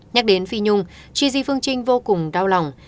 nhắc đến phi nhung chi di phương trinh vô cùng đau lòng